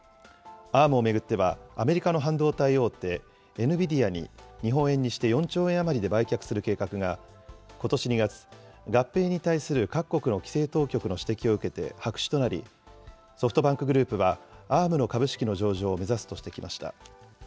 Ａｒｍを巡っては、アメリカの半導体大手、エヌビディアに日本円にして４兆円余りで売却する計画が、ことし２月、合併に対する各国の規制当局の指摘を受けて白紙となり、ソフトバンクグループは、Ａｒｍの株式の上場を目指すとしてきました。